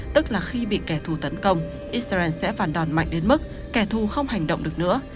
tức là khi bị kẻ thù tấn công israel sẽ phản đòn mạnh đến mức kẻ thù không hành động được nữa